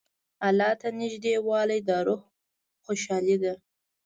الله ته نېږدېوالی د روح خوشحالي ده.